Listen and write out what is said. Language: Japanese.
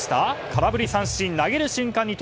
空振り三振、投げる瞬間に